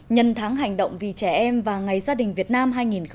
nhân tháng hành động vì trẻ em và ngày gia đình việt nam hai nghìn một mươi chín